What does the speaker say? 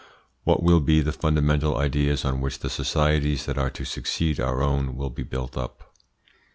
What will be the fundamental ideas on which the societies that are to succeed our own will be built up?